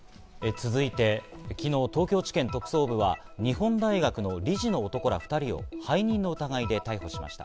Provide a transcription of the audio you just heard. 続いて昨日、東京地検特捜部は日本大学の理事の男ら２人を背任の疑いで逮捕しました。